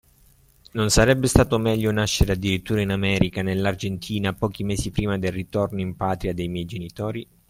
Non sarebbe stato meglio nascere addirittura in America, nell'Argentina, pochi mesi prima del ritorno in patria de' miei genitori?